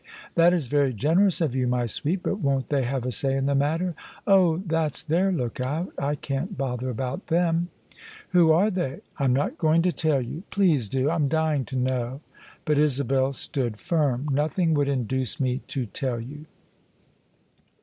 "That is very generous of you, my sweet! But won't they have a say in the matter? "" Oh! that's their lookout. I can't bother about them." "Who are they?" " I'm not going to tell you." " Please do. I'm dying to know." But Isabel stood firm. " Nothing would induce me to tell you."